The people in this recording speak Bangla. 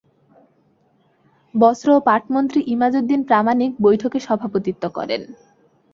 বস্ত্র ও পাটমন্ত্রী ইমাজ উদ্দিন প্রামাণিক বৈঠকে সভাপতিত্ব করেন।